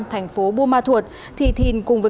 tp bumathua thì thìn cùng với